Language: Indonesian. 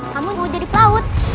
kamu mau jadi pelaut